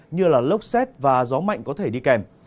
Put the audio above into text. như lốc xét và gió mạnh có thể đi kèm